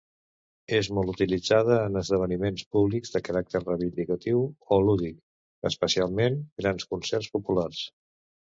És molt utilitzada en esdeveniments públics de caràcter reivindicatiu o lúdic, especialment grans concerts populars.